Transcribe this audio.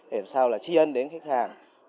để làm sao là tri ân đến khách hàng